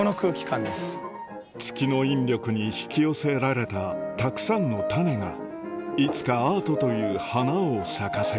月の引力に引き寄せられたたくさんの種がいつかアートという花を咲かせる